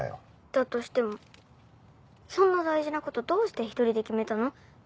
だとしてもそんな大事なことどうして１人で決めたの？